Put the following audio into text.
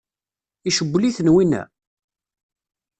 Icewwel-iten winna?